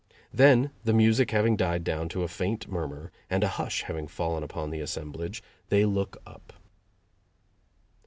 Then, the music having died down to a faint murmur and a hush having fallen upon the assemblage, they look up.